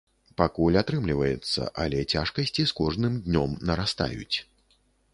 Пакуль атрымліваецца, але цяжкасці з кожным днём нарастаюць.